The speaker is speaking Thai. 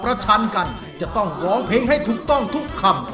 ชันกันจะต้องร้องเพลงให้ถูกต้องทุกคำ